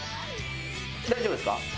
大丈夫ですか？